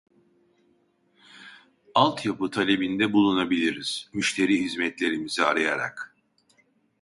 Alt yapı talebinde bulunabiliriz müşteri hizmetlerimizi arayarak